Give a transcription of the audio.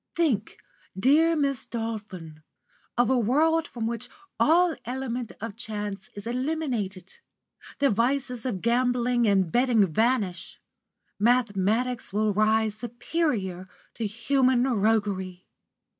Think, dear Miss Dolphin, of a world from which all element of chance is eliminated! The vices of gambling and betting vanish. Mathematics will rise superior to human roguery.